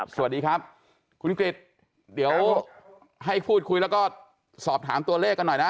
สวัสดีครับคุณกริจเดี๋ยวให้พูดคุยแล้วก็สอบถามตัวเลขกันหน่อยนะ